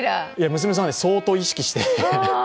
娘さんはね、相当意識して。